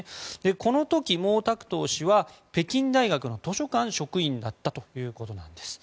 この時、毛沢東氏は北京大学の図書館職員だったということなんです。